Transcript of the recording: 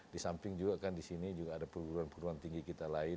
di samping juga kan di sini juga ada perguruan perguruan tinggi kita lain